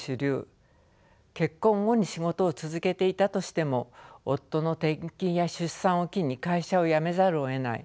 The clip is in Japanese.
結婚後に仕事を続けていたとしても夫の転勤や出産を機に会社を辞めざるをえない。